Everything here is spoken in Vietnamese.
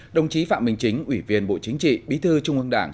đồng chí phạm minh chính ủy viên bộ chính trị bí thư trung ương đảng